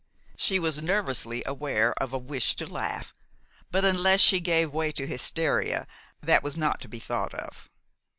She was nervously aware of a wish to laugh; but unless she gave way to hysteria that was not to be thought of.